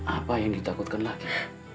apa yang ditakutkan lagi